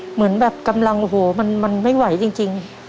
เหมือนแบบกำลังโอ้โหมันไม่ไหวจริง